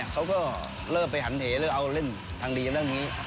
เขาก็เริ่มไปหันเหเริ่มเอาเล่นทางดีอย่างนั้นอย่างนี้